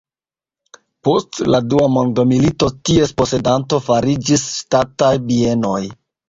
Post la dua mondmilito ties posedanto fariĝis Ŝtataj bienoj.